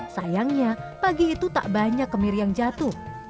sayangnya pagi itu tak banyak kemiri yang jatuh